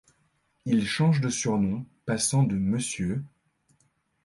Il change de surnom, passant de Mr.